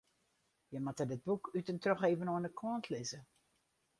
Je moatte dat boek út en troch even oan de kant lizze.